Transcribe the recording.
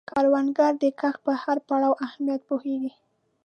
کروندګر د کښت د هر پړاو اهمیت پوهیږي